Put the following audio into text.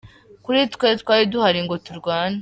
Kuri twe twari duhari ngo turwane’.